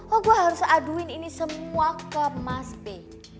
oh gue harus aduin ini semua ke mas be